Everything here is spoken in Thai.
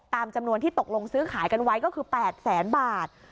ตามจำนวนที่ตกลงซื้อขายกันไว้ก็คือ๘แสนบาท